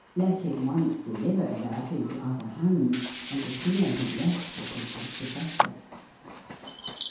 Let him once deliver that into other hands, and the sooner he left the city the better.